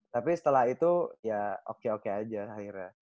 tapi setelah itu ya oke oke aja akhirnya